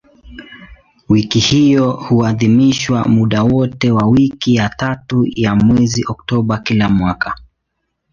Wiki hiyo huadhimishwa muda wote wa wiki ya tatu ya mwezi Oktoba kila mwaka.